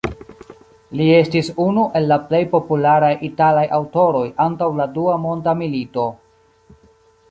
Li estis unu el la plej popularaj italaj aŭtoroj antaŭ la Dua Monda Milito.